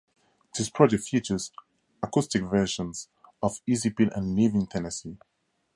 This project features acoustic versions of "Easy Pill" and "Leaving Tennessee".